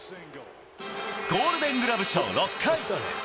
ゴールデングラブ賞６回。